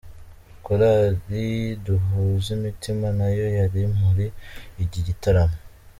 Korali duhuzumutima nayo yari muri iki gitaramo.